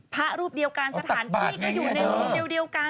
พระรูปเดียวกันสถานที่ก็อยู่ในรูปเดียวกัน